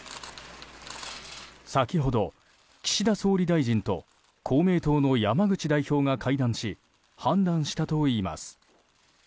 先ほど、岸田総理大臣と公明党の山口代表が会談し判断したといいます。